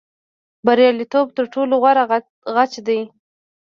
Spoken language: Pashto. بریالیتوب تر ټولو غوره غچ دی.